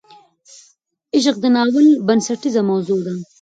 عشق د ناول بنسټیزه موضوع ده.